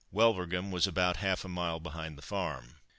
Wulverghem was about half a mile behind the farm.